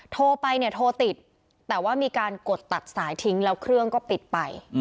โทรไปเนี่ยโทรติดแต่ว่ามีการกดตัดสายทิ้งแล้วเครื่องก็ปิดไป